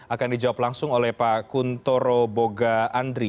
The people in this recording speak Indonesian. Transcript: akan dijawab langsung oleh pak kuntoro boga andri